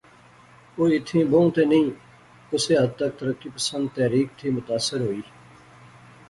او ایتھیں بہوں تہ نئیں کسے حد تک ترقی پسند تحریک تھی متاثر ہوئی